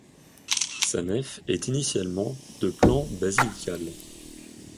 Sa nef est initialement de plan basilical.